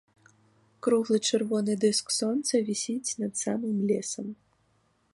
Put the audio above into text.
Круглы чырвоны дыск сонца вісіць над самым лесам.